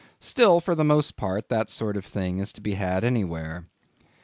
Still, for the most part, that sort of thing is to be had anywhere.